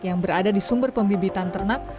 yang berada di sumber pembibitan ternak